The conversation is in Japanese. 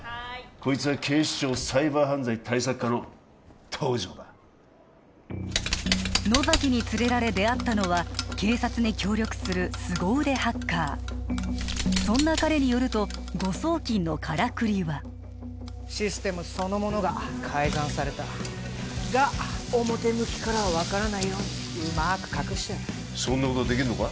こいつは警視庁サイバー犯罪対策課の東条だ野崎に連れられ出会ったのは警察に協力するすご腕ハッカーそんな彼によると誤送金のカラクリはシステムそのものが改ざんされたが表向きからは分からないようにうまく隠してあるそんなことできんのか？